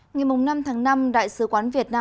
ngày năm tháng năm đại sứ quán việt nam